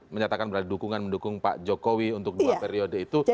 menyatakan berdukungan mendukung pak jokowi untuk dua periode itu